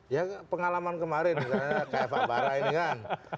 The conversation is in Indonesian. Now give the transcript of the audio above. ya pengalaman kemarin karena kf abara ini kan